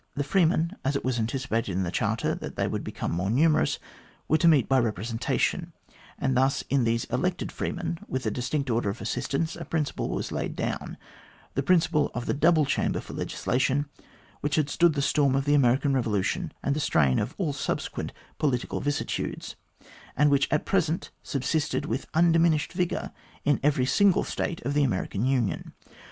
The freemen, as it was anticipated in the Charter that they would become numerous, were to meet by representation ; and thus, in these elected freemen, with the distinct order of assistants, a principle was laid down the principle of the double chamber for legislation which had stood the storm of the American Revolution and the strain of all subsequent political vicissitudes, and which at present subsisted with undiminished vigour in every single State of the American Union.